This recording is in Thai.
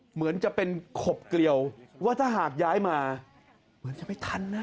เหมือนจะเป็นขบเกลียวว่าถ้าหากย้ายมาเหมือนจะไปทันนะ